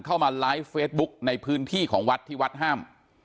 เข้ามาไลฟ์เฟซบุ๊คในพื้นที่ของวัดที่วัดห้าม